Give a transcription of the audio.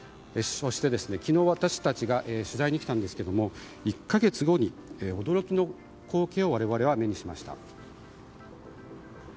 そして、昨日私たちが取材に来たんですが１か月後に驚きの光景を我々は目にしました。